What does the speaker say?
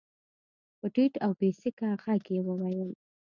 په ټيټ او بې سېکه غږ يې وويل.